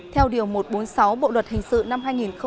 theo điều một trăm bốn mươi sáu bộ luật hình sự năm hai nghìn một mươi năm